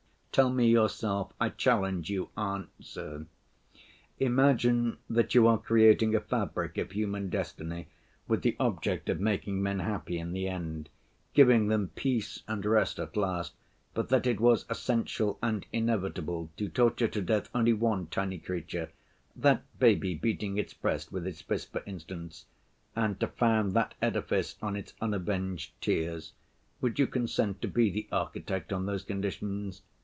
Tell me yourself, I challenge you—answer. Imagine that you are creating a fabric of human destiny with the object of making men happy in the end, giving them peace and rest at last, but that it was essential and inevitable to torture to death only one tiny creature—that baby beating its breast with its fist, for instance—and to found that edifice on its unavenged tears, would you consent to be the architect on those conditions?